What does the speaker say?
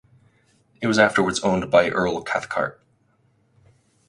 It was afterwards owned by Earl Cathcart.